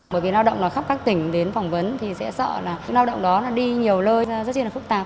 bởi vì lao động là khắp các tỉnh đến phỏng vấn thì sẽ sợ là cái lao động đó đi nhiều lơi rất là phức tạp